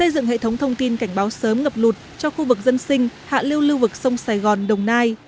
công tác dự án quản lý tích hợp ngập lụt cho khu vực dân sinh hạ lưu lưu vực sông sài gòn đồng nai